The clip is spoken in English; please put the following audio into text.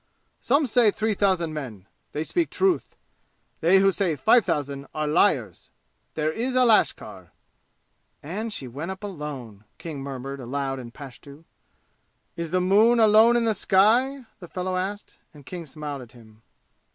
"Some say three thousand men. They speak truth. They who say five thousand are liars. There is a lashkar." "And she went up alone?" King murmured aloud in Pashtu. "Is the moon alone in the sky?" the fellow asked, and King smiled at him.